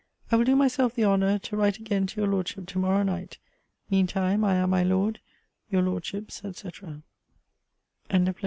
I will do myself the honour to write again to your Lordship to morrow night. Mean time, I am, my Lord, Your Lordship's, &c. LETTER LIII MR. BELFORD, TO LORD M.